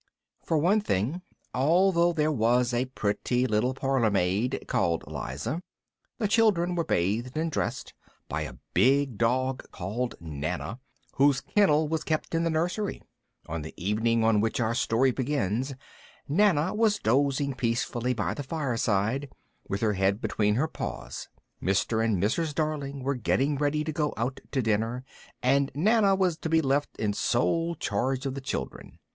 For one thing, although there was a pretty little parlour maid called Liza, the children were bathed and dressed by a big dog called Nana, whose kennel was kept in the nursery. On the evening on which our story begins, Nana was dozing peacefully by the fireside, with her head between her paws. Mr. and Mrs. Darling were getting ready to go out to dinner and Nana was to be left in sole charge of the children.